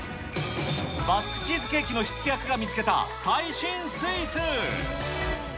バスクチーズケーキの火付け役が見つけた最新スイーツ。